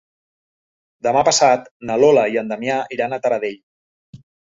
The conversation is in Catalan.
Demà passat na Lola i en Damià iran a Taradell.